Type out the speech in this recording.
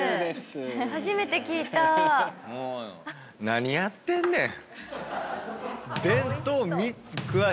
何やってんねん。